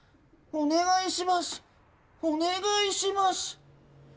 お願いします。